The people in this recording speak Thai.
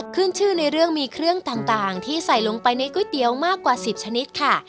ขึ้นชื่อในเรื่องมีเครื่องต่างที่ใส่ลงไปในก๋วยเตี๋ยวมากกว่า๑๐ชนิดค่ะ